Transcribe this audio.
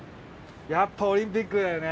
やっぱオリンピックだよね。